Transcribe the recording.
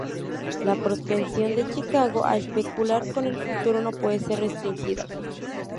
La propensión de Chicago a especular con el futuro no puede ser restringida".